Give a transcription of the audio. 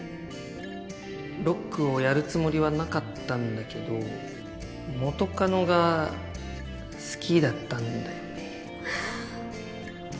ロックをやるつもりはなかったんだけど元カノが好きだったんだよねはぁ。